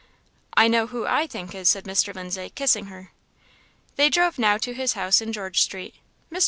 "I know who I think is," said Mr. Lindsay, kissing her. They drove now to his house in George street. Mr.